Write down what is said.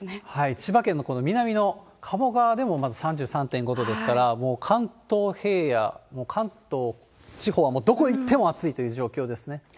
千葉県のこの南の鴨川でも３３．５度ですから、もう関東平野、もう関東地方はもうどこ行っても暑いという状況ですね。